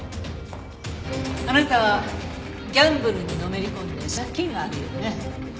あなたはギャンブルにのめり込んで借金があるようね。